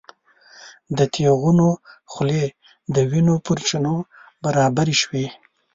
د تیغونو خولې د وینو پر چینو برابرې شوې.